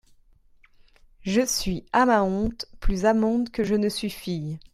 Je suis, à ma honte, plus amante que je ne suis fille.